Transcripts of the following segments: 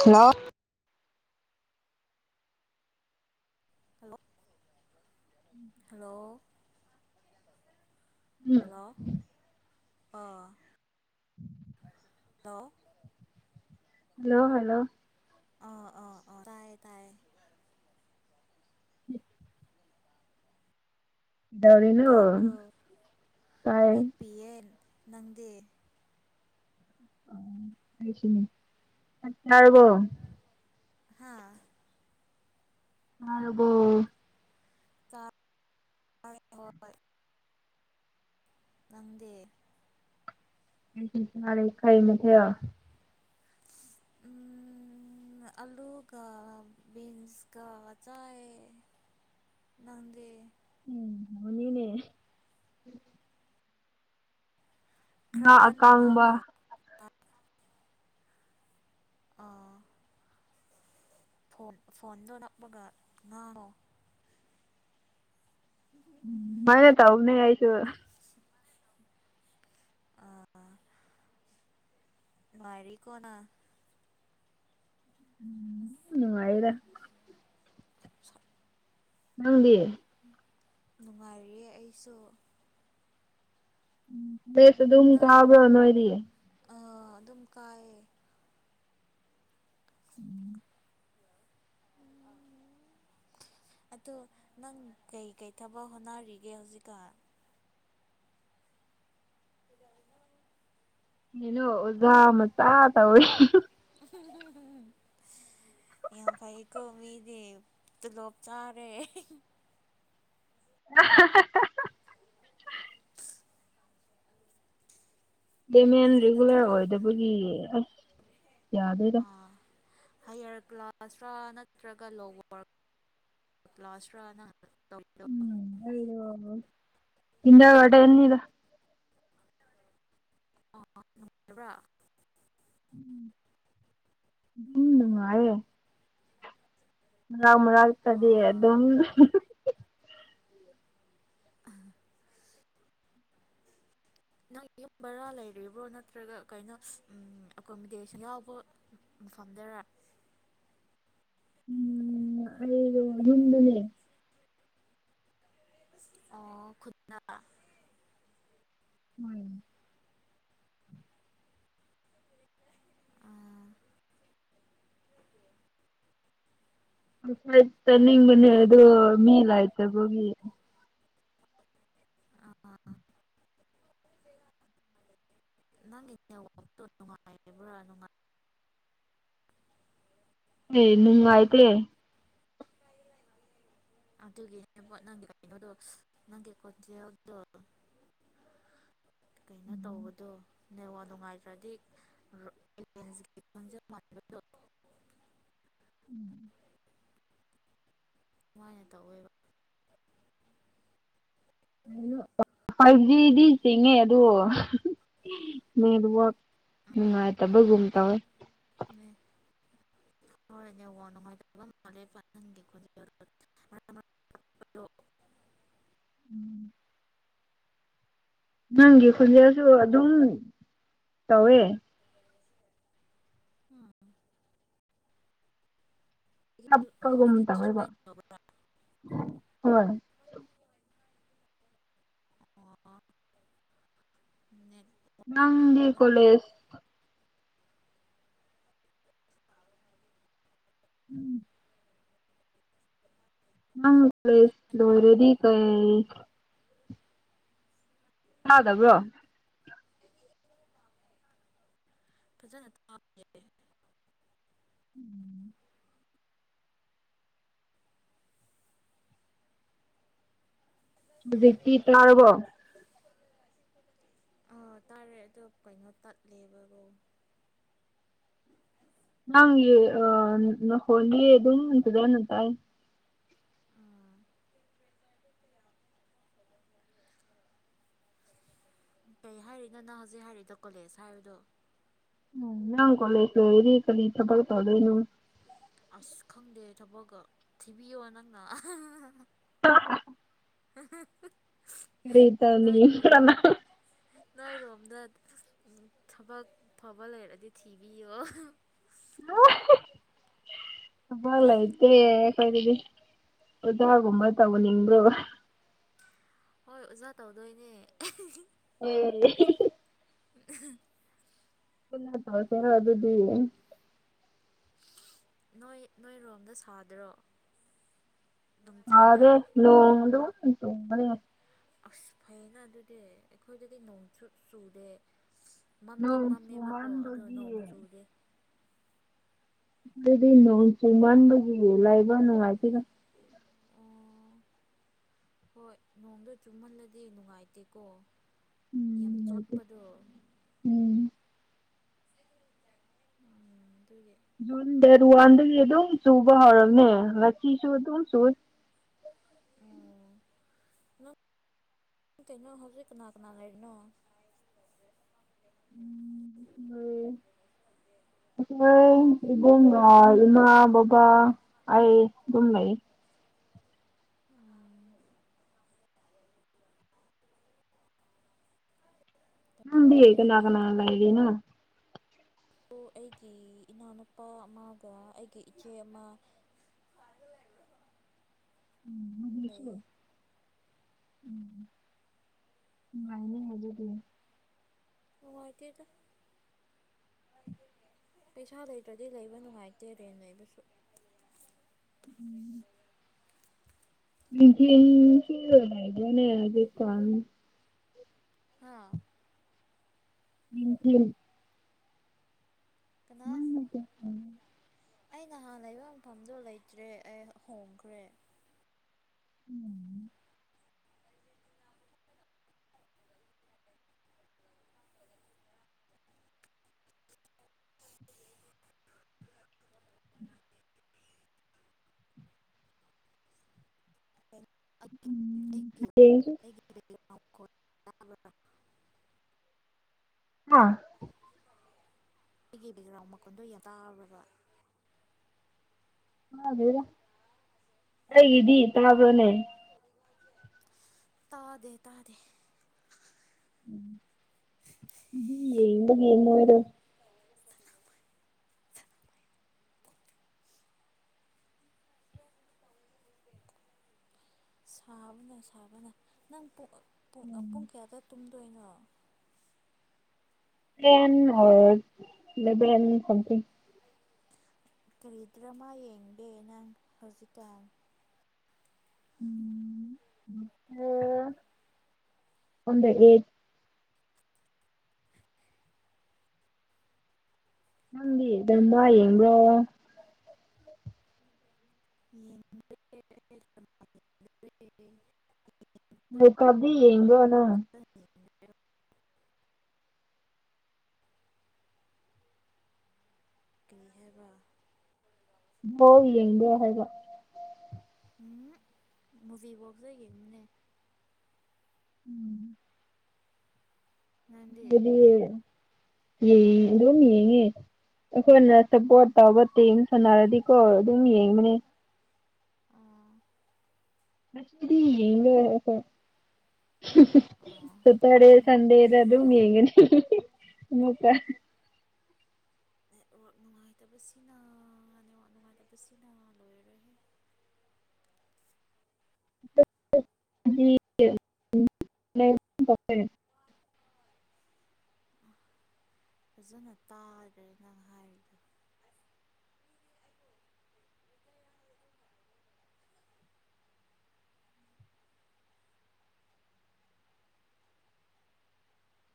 hello ꯀꯩꯅꯣ hello ꯎꯝ hello ꯑꯣ ꯇꯣ ꯍꯜꯂꯣ ꯍꯜꯂꯣ ꯑꯣ ꯑꯣ ꯇꯥꯏ ꯇꯥꯏ ꯗꯧꯔꯤꯅ ꯇꯥꯕ꯭ꯔꯣ ꯀꯥꯏ ꯅꯪꯗꯦ ꯠꯇꯕꯣ ꯍꯥꯥ ꯑꯕꯣ ꯆ ꯍꯣꯏ ꯂꯝꯪꯗꯦ ꯅ ꯌꯦ ꯈ ꯃꯊꯌꯥ ꯑꯂꯨꯒ ꯕꯤꯟꯁ ꯀ ꯆꯌꯦ ꯅꯪꯗꯤꯦ ꯎꯝꯅꯤꯅꯦ ꯑ ꯀꯥꯉꯕ ꯇ ꯑ ꯐꯣꯟ ꯐꯣꯟꯗꯣ ꯅꯛꯄꯒ ꯉꯥꯔꯣ ꯃꯅꯦ ꯇ ꯍꯧꯅ ꯍꯥꯏꯥꯏꯁꯨ ꯑꯥ ꯃꯥꯔꯤ ꯀꯣꯅ ꯎꯝ ꯎꯝ ꯍꯥꯏꯥꯏꯗ [inaudible] ꯅꯪꯗꯤ ꯅꯨꯡꯉꯥꯏꯔꯤꯌꯦ ꯑꯩꯁꯨ ꯎꯝ ꯁ ꯝ ꯅꯪ ꯊꯥꯕ꯭ꯔ ꯅꯣꯏꯔꯤꯦ ꯑꯗꯨꯝ ꯀꯥꯏ ꯎꯝ ꯑꯣ ꯅꯪ ꯀꯩꯀꯩ ꯊꯕ ꯍꯣꯠꯅꯔꯤꯒꯦ ꯍꯧꯖꯤꯛꯀ ꯅꯅꯣ ꯑꯣꯖꯥ ꯃꯆꯥ ꯇꯧꯋꯦ ꯌꯥ ꯐꯩ ꯀꯣ ꯃꯤꯗꯤ ꯇꯂꯣꯞ ꯆꯥꯔꯦ [inaudible] ꯗꯦꯃꯦꯟ ꯐꯖꯅ ꯔꯤꯒꯨꯂꯔ ꯇꯣꯂꯣꯞ ꯑꯣꯏꯗꯕꯒꯤ ꯑꯁ ꯌꯥꯗꯣꯏꯗ ꯍꯥꯏꯌꯥꯔ ꯀ꯭ꯂꯥꯁꯇꯔ꯭ꯔꯥ ꯅꯠꯇ꯭ꯔꯒ ꯂꯣꯋꯔ ꯀ꯭ꯂꯥꯁꯇ꯭ꯔꯥꯅ ꯎꯝ ꯏꯖ ꯋꯥꯇ ꯌꯦꯅꯤꯗ ꯑ ꯅꯅꯨꯡꯉꯔꯕ꯭ꯔꯥ ꯎꯝꯅꯨꯡ ꯃꯥꯔꯦ ꯃꯔꯛ ꯃꯔꯥꯛꯛꯇꯗꯤ ꯑꯥ ꯑꯗꯨꯝ ꯅꯪ ꯌꯨꯝ ꯕꯔꯥ ꯂꯩꯔꯤ ꯕ꯭ꯔꯣ ꯅꯠꯇ꯭ꯔꯒ ꯀꯩꯅꯣ ꯑꯦꯀꯣꯃꯤꯣꯗꯦꯁꯟ ꯌꯥꯎꯕ꯭ꯔꯣ ꯐꯝꯗꯔꯥ ꯑꯣ ꯍꯟꯗꯅꯦ ꯑꯣ ꯈꯨꯠꯅꯥ ꯍꯣꯏ ꯑꯥ ꯍꯁꯠꯇ ꯌꯥꯝ ꯅꯤꯡꯅꯦ ꯐꯩ ꯌꯥꯝ ꯑꯗꯨ ꯐꯩ ꯃꯦꯂꯥꯏꯇ ꯍꯒꯤꯤ ꯑꯥ ꯅꯪꯒꯤꯆꯦ ꯋꯇꯣ ꯅꯨꯡꯉꯥꯏꯔꯤꯕ꯭ꯔꯥꯅꯨꯡꯥꯏ ꯑꯦ ꯅꯪ ꯑꯥꯏꯇꯦ ꯑꯗꯨꯒꯤꯅꯦꯕ ꯅꯪꯒꯤ ꯀꯩꯅꯣꯗꯣ ꯅꯪꯒꯤ ꯀꯣꯟꯖꯗꯣ ꯀꯩꯅꯣ ꯇꯧꯕꯗꯣ ꯅꯦꯋꯥ ꯅꯨꯡꯉꯥꯏꯇ꯭ꯔꯗꯤꯂꯦꯟꯁ ꯈꯣꯟꯖꯦꯜ ꯃꯥꯟꯕꯗꯣ ꯎꯝ [inaudible] ꯑꯗꯨꯨꯃꯥꯏꯅ ꯇꯧꯋꯦꯕ ꯐꯥꯏꯚ ꯖꯤꯗꯤ ꯆꯤꯡꯉꯦ ꯑꯗꯣ ꯅꯦꯠꯋꯥꯛ ꯅꯨꯡꯉꯥꯏꯇꯕꯒꯨꯝ ꯇꯧꯋꯦ ꯎꯝ ꯍꯣꯏ ꯋꯥ ꯅꯨꯡꯉꯥꯏꯇ ꯃꯥꯦ ꯄ ꯍꯪꯒꯦ ꯈꯣ ꯣ ꯎꯝ ꯅꯪꯒꯤ ꯈꯨꯟꯖꯦꯜꯁꯨ ꯑꯗꯨꯝ ꯇꯧꯋꯦ ꯎꯝ ꯇ ꯑꯩꯒꯤꯁꯨ ꯇꯧ ꯑꯩꯒꯤꯁꯨ ꯍꯣꯏꯕ ꯁꯨꯃꯥꯏꯅ ꯇꯧꯕ꯭ꯔꯥ ꯍꯣꯏ ꯑꯣ ꯅꯪꯒꯤꯦ ꯑꯣꯏꯔꯝꯒꯅꯤ ꯀꯣꯂꯦꯁ ꯎꯝ ꯑꯪ ꯐꯦꯁ ꯂꯔꯦꯗꯤ ꯀ ꯌꯥꯥꯎꯗꯕ꯭ꯔꯣ ꯐꯖꯟ ꯑꯇꯥ [unintelligible] ꯎꯝ ꯍꯧꯖꯤꯛꯇꯤ ꯇꯥ ꯔꯕꯣ ꯑꯥ ꯇꯥꯔꯦ ꯑ ꯀꯩꯅꯣ ꯇꯠꯂꯦꯕꯀꯣ ꯅꯪ ꯑ ꯍꯣꯂꯤ ꯑꯗꯨꯇꯗꯅ ꯇ ꯎꯥ ꯀꯩ ꯍꯥꯏꯔꯤꯅꯣ ꯅꯪ ꯍꯧꯖꯤꯛ ꯍꯥꯏꯔꯤꯗ ꯀꯣꯂꯦꯖ ꯍꯥꯏꯕꯗꯣ ꯅꯥꯡ ꯀꯂꯦꯁꯗ ꯏꯔꯤ ꯀꯂꯊꯕ ꯇꯗꯦꯩꯅ ꯑꯁ ꯈꯪꯗꯦ ꯊꯕꯛꯀ ꯊꯤꯕꯤꯌꯣ ꯅꯪꯅ ꯀꯔꯤ ꯇ ꯏ ꯂꯅꯥꯔꯣꯝꯗ ꯊꯕꯛ ꯐꯕ ꯂꯩꯔꯗꯤ ꯊꯤꯕꯤꯌꯣ ꯍꯕꯂꯥꯏꯇꯦ ꯀꯣꯏꯗꯤ ꯑꯣꯗꯒꯨꯝꯕ ꯇꯧꯅꯤꯡꯕ꯭ꯔꯣ ꯍꯣꯏ ꯑꯣꯖꯥ ꯇꯧꯗꯣꯏꯅꯦ ꯑ ꯎ ꯂ ꯇꯧ ꯈꯦꯔꯣ ꯑꯗꯨꯗꯤ ꯅꯣꯏ ꯅꯣꯏꯔꯣꯝꯗ ꯁꯥꯗ꯭ꯔꯣ ꯅꯨꯡꯊꯤꯟꯗ ꯑꯗꯦ ꯅꯣꯡ ꯇꯣ ꯌꯥ ꯑꯁ ꯐꯩꯌꯦꯅ ꯑꯗꯨꯗꯤ ꯑꯩꯈꯣꯏꯗꯗꯤ ꯅꯣꯡꯁꯨ ꯆꯨꯗꯦ ꯃꯝꯗꯤ ꯅꯣꯡ ꯃꯝꯃꯦꯕꯀꯣ ꯑꯗꯣ ꯆꯨꯃꯟꯕꯒꯤ ꯅꯣꯡ ꯆꯨꯗꯦ ꯑꯗꯨꯗꯤ ꯅꯣꯡ ꯆꯨ ꯃꯟꯕꯒꯤꯂꯥꯏꯕ ꯅꯨꯡꯉꯥꯏꯇꯔ ꯑꯣ ꯍꯣꯏ ꯅꯣꯡꯗ ꯆꯨꯝꯍꯜꯂꯗꯤ ꯅꯨꯡꯉꯥꯏꯇꯦꯀꯣ ꯎꯝ ꯌꯥꯝ ꯅꯨꯡꯉꯥꯏꯇꯦ ꯆꯣꯠꯄꯗꯣ ꯎꯝ ꯎꯝ ꯑꯗꯨ ꯖꯨꯟ ꯗꯦꯠ ꯋꯥ ꯋꯥꯟꯗꯒꯤ ꯑꯗꯨꯝ ꯁꯨꯕ ꯍꯧꯔꯝꯃꯦ ꯃꯁꯤꯁꯨ ꯑꯗꯨꯝ ꯁꯨ ꯑꯣ ꯇꯩꯅꯣ ꯍꯧꯖꯤꯛ ꯀꯅꯥ ꯀꯅꯥ ꯂꯩꯔꯤꯅꯣ ꯎꯁꯣꯏ ꯏꯕꯝ ꯏꯃꯥ ꯕꯕꯥ ꯑꯩ ꯑꯗꯨꯝ ꯂꯩ ꯎꯝ ꯌꯥꯝ ꯗꯤ ꯀ ꯐꯩ ꯅꯥ ꯌꯥꯝ ꯀꯅꯥ ꯐꯩ ꯂꯒꯅ ꯑꯗꯨ ꯑꯩꯒꯤ ꯏꯅꯥꯎꯅꯨꯄꯥ ꯑꯃꯒ ꯑꯩꯒꯤ ꯏꯆꯦ ꯑꯃ ꯁꯣ ꯂꯩꯌꯦ ꯎꯝꯥꯏꯅꯦ ꯍꯥꯏꯒꯗꯤ ꯇꯗ ꯄꯩꯁꯥ ꯂꯩꯇ꯭ꯔꯗꯤ ꯂꯩꯕ ꯅꯨꯡꯉꯥꯏꯇꯦ ꯔꯦꯟ ꯂꯩꯕꯁꯨ ꯎꯝ ꯁꯤꯂꯒꯅꯦ ꯔꯥꯖꯁꯊꯥꯟ ꯍꯥ ꯎ ꯀꯅꯥ ꯑ ꯀ ꯑꯩ ꯅꯍꯥꯟ ꯂꯩꯕ ꯃꯐꯝꯗꯣ ꯂꯩꯇ꯭ꯔꯦ ꯑꯩ ꯍꯣꯡꯈ꯭ꯔꯦ ꯎꯝ ꯍꯌꯦꯡꯁꯨ [unintelligible] ꯣꯏ ꯑꯥ ꯑꯩꯒꯤ ꯕꯦꯛꯒ꯭ꯔꯥꯎꯟ ꯃꯈꯣꯟꯗꯣ ꯌꯥꯝ ꯇꯥꯕ꯭ꯔꯕ ꯍ ꯔ ꯀꯩꯗꯤ ꯇꯃ ꯐꯣꯅꯦ ꯇꯥꯗꯦ ꯇꯥꯗ ꯌꯦꯕꯒꯤ ꯑꯣꯏ ꯑꯣꯏꯗ ꯁꯥꯕꯅ ꯁꯥꯕꯅ ꯅꯪ ꯄ ꯨꯡ ꯑ ꯄꯨꯡ ꯀꯌꯥꯗ ꯇ ꯇꯣꯏꯅꯣ ꯕ ꯁꯊꯤꯡ ꯀꯔꯤꯗ꯭ꯔꯃ ꯌꯦꯡꯒꯦ ꯅꯪ ꯍꯧꯖꯤꯛꯀꯥꯟ ꯑꯣꯗ ꯑꯦꯠ ꯅꯪꯗꯤꯗꯃ ꯌꯦꯡꯕ꯭ꯔꯣ ꯌꯦ ꯎ ꯀꯗꯤ ꯌꯦꯒꯅ ꯍ ꯌ ꯀ꯭ꯔꯤꯍꯕ ꯣꯕꯤ ꯌꯦꯡꯗ ꯍꯥꯏꯦꯒ ꯎꯝ ꯃꯨꯚꯤꯕꯣꯛ ꯁ ꯑꯣꯏꯒꯦꯦꯝꯅꯦ ꯎꯝ ꯅꯪꯗꯤ ꯌꯗꯤ ꯌꯦ ꯑꯗꯨꯝ ꯌꯦꯡꯉꯤ ꯑꯩꯈꯣꯏꯅ ꯑꯣ ꯁꯞꯄꯣꯔꯠ ꯇꯧꯕ ꯇꯦꯡ ꯁꯥꯟꯅꯔꯗꯤꯀꯣ ꯑꯗꯨꯝ ꯌꯦꯡꯕꯅꯦ ꯑ ꯗꯤꯒ ꯑꯣ ꯁꯇꯥꯔꯦ ꯁꯟꯗꯦ ꯏꯔ ꯑꯗꯨꯅꯤ ꯍꯦꯒꯦꯅꯦ ꯃꯛꯇ ꯅꯦꯠꯋꯥꯛ ꯅꯨꯡꯉꯥꯏꯇꯕꯁꯤꯅ ꯅꯦꯠꯋꯥꯛ ꯅꯨꯡꯉꯥꯏꯇꯕꯁꯤꯅ ꯂꯣꯏꯔꯦ [unintelligible] ꯐꯖꯅ ꯇꯥꯗ꯭ꯔꯦ ꯅꯪ ꯍꯥꯏꯔꯤꯗꯣ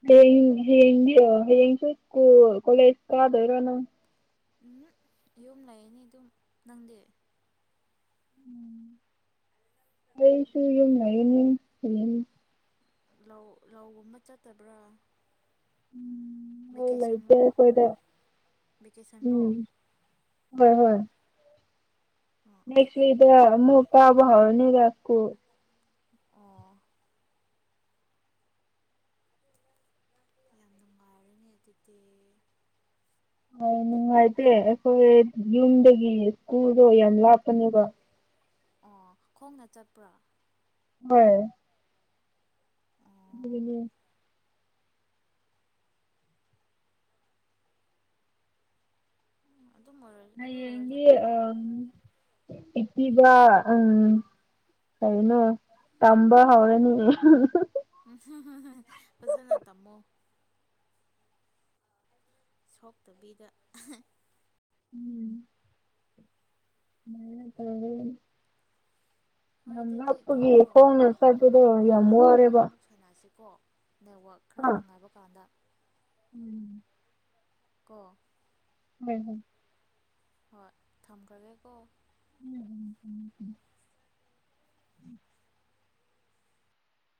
ꯍ ꯍ ꯍꯁꯨ ꯁꯀꯨ ꯀꯣꯂꯦꯖ ꯀꯗꯔꯣ ꯅꯪ ꯎꯝ ꯌꯨꯝ ꯂꯩ ꯅꯤ ꯑꯗꯨꯝ ꯅꯪꯗꯤ ꯀꯁꯨꯨ ꯌꯨꯝ ꯍꯥꯏꯔꯤꯅ ꯂꯧ ꯂꯧꯒꯨꯝꯕ ꯆꯠꯇꯕ꯭ꯔꯥ ꯊꯕꯛ ꯚꯦꯀꯦꯁꯟ ꯂꯩꯇꯦ ꯂ ꯑꯩꯈꯣꯏꯗ ꯚꯦꯀꯦꯁꯟ ꯂ ꯎꯝ ꯅꯦꯛꯁꯛ ꯃꯨꯀꯕꯥꯎꯅꯤꯗꯥꯁꯀꯣ ꯑꯣ ꯌꯥꯝ ꯅꯨꯡꯉꯥꯏꯔꯅꯦ ꯑꯗꯨꯗꯤ ꯍ ꯅꯨꯡꯉꯥꯏꯇꯦ ꯑꯩꯈꯣꯏ ꯌꯨꯝꯗꯒꯤ ꯁ꯭ꯀꯨꯜꯗꯣ ꯌꯥꯝ ꯂꯥꯞꯄꯅꯦꯕ ꯑꯣ ꯈꯣꯡꯅ ꯆꯠꯄ꯭ꯔꯥ ꯍꯣꯏ ꯑꯣ ꯎ ꯑꯗꯨꯝ ꯑꯣꯏꯔ ꯑꯗꯨ ꯑꯣꯏꯔꯁꯨ [inaudible] ꯏꯄꯤꯕ ꯎꯝ ꯀꯩꯅꯣ ꯇꯝꯕ ꯍꯧꯔꯅꯤ ꯐꯖꯅ ꯇꯝꯃꯣ ꯁꯣꯛꯇꯕꯤꯗ ꯎꯝ [unintelligible] ꯍꯣꯏ ꯌꯥꯝ ꯑꯗꯨꯗꯤ ꯂꯞꯄꯒꯤ ꯀꯩꯅꯣ ꯈꯣꯡꯅ ꯆꯠꯄꯗꯣ ꯌꯥꯝ ꯋꯥꯔꯦꯕ ꯀꯣ ꯅꯦꯠꯋꯣꯔꯛ ꯈꯔ ꯍꯥ ꯅꯨꯡꯉꯥꯏꯕ ꯀꯥꯟꯗ ꯎꯝ ꯀꯣ ꯎꯝ ꯍꯝ ꯍꯣꯏ ꯊꯝꯈ꯭ꯔꯒꯦꯀꯣ ꯎꯝ ꯎꯝꯝ ꯎꯝ